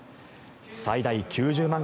最大９０万